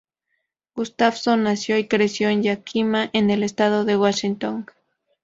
Gustafson nació y creció en Yakima, en el Estado de Washington.